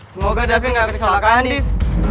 semoga david gak kesalahan nih